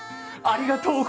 ありがとう。